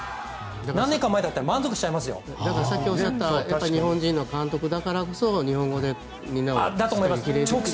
何年か前だったらさっきおっしゃった日本人の監督だからこそ日本語で激励できるのがいいと。